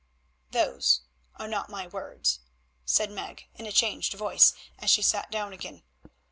Those are not my own words," said Meg in a changed voice as she sat down again.